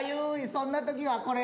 そんなときはこれ！